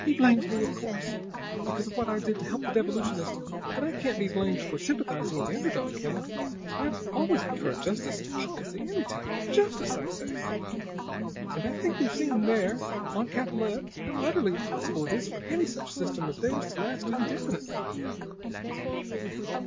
"He blames me, of course, because of what I did to help the Devolutionist. But I can't be blamed for sympathizing with the under dog, can I? I've always preferred justice to policy, any time. Justice first, I say! And I think we've seen there on Capellette how utterly impossible it is for any such system as theirs to last indefinitely."